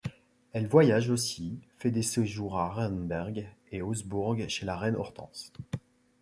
Elle voyage aussi, fait des séjours à Arenenberg et Augsbourg chez la reine Hortense.